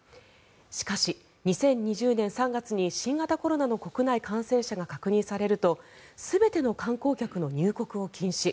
しかし、２０２０年３月に新型コロナの国内感染者が確認されると全ての観光客の入国を禁止。